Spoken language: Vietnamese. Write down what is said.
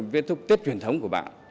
kết thúc tuyết truyền thống của bạn